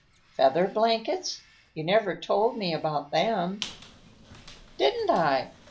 "Feather blankets? You never told me about them." "Didn't I?